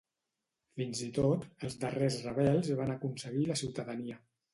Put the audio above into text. Fins i tot, els darrers rebels van aconseguir la ciutadania.